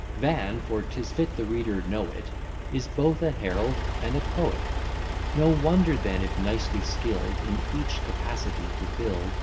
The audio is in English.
Van (for 'tis fit the reader know it) Is both a Herald and a Poet; No wonder then if nicely skill'd In each capacity to build.